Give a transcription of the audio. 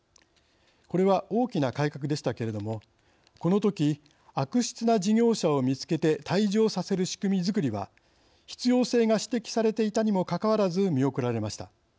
これは大きな改革でしたけれどもこのとき悪質な事業者を見つけて退場させる仕組みづくりは必要性が指摘されていたにもかかわらず見送られました。